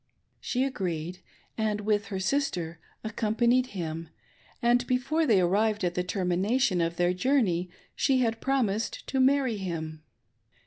She agreed, and, with her sister, accompanied him, and before they arrived at the termination of their journey she had promised to marry him.